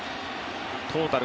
トータル